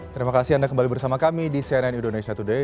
terima kasih anda kembali bersama kami di cnn indonesia today